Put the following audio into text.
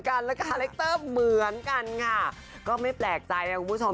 คาเล็กเตอร์เหมือนกันค่ะก็ไม่แปลกใจนะคุณผู้ชม